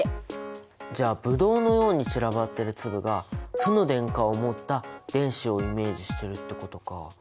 じゃあブドウのように散らばってる粒が負の電荷を持った電子をイメージしてるってことか。